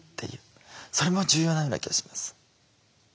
それも重要なような気がします。